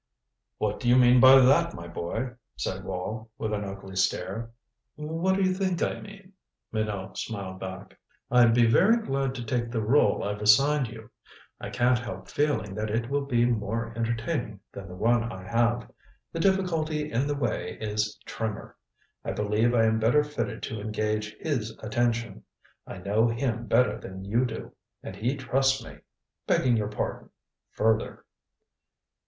"What do you mean by that, my boy?" said Wall, with an ugly stare. "What do you think I mean?" Minot smiled back. "I'd be very glad to take the role I've assigned you I can't help feeling that it will be more entertaining than the one I have. The difficulty in the way is Trimmer. I believe I am better fitted to engage his attention. I know him better than you do, and he trusts me begging your pardon further."